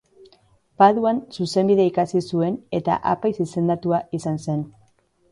Paduan zuzenbidea ikasi zuen eta apaiz izendatua izan zen.